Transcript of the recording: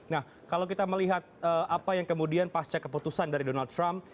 nah kalau kita melihat apa yang kemudian pasca keputusan dari donald trump